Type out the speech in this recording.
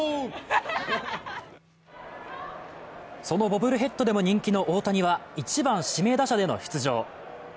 そのボブルヘッドでも人気の大谷は１番・指名打者での出場。